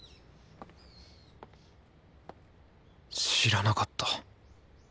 知らなかった。